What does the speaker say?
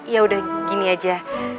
ya udah gini aja